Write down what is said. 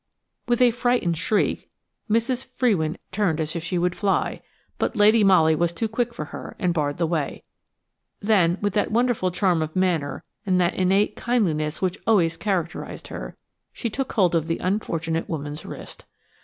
With a frightened shriek Mrs. Frewin turned as if she would fly, but Lady Molly was too quick for her, and barred the way. Then, with that wonderful charm of manner and that innate kindliness which always characterised her, she took hold of the unfortunate woman's wrist.